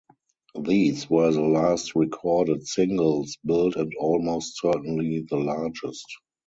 These were the last recorded 'singles' built and almost certainly the largest.